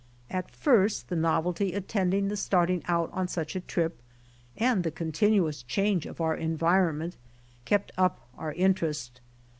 At first the novelty attending the starting out on such a trip and the continuous change of our environmient kept up our interest.